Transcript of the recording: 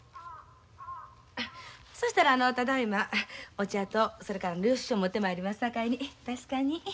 そしたらあのただいまお茶とそれから領収書持ってまいりますさかいに。